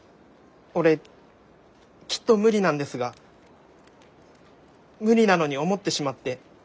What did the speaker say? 俺きっと無理なんですが無理なのに思ってしまって。